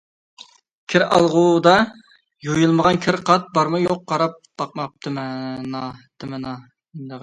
كىر ئالغۇدا يۇيۇلمىغان كىر-قات بارمۇ يوق قاراپ باقماپتىمىنا.